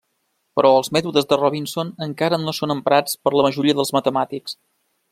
Però els mètodes de Robinson encara no són emprats per la majoria dels matemàtics.